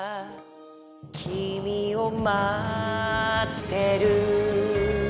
「きみをまってる」